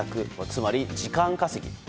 つまり時間稼ぎ。